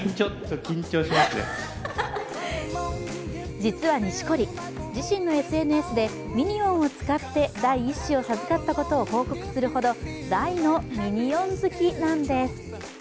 実は錦織、自身のＳＮＳでミニオンを使って第１子を授かったことを報告するなど大のミニオン好きなんです。